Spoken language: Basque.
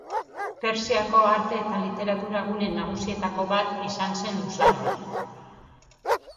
Persiako arte eta literatura gune nagusietako bat izan zen luzaroan.